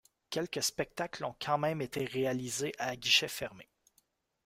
Quelques spectacles ont quand même été réalisés à guichets fermés.